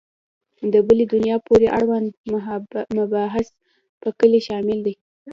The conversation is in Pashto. د بلي دنیا پورې اړوند مباحث په کې شامل دي.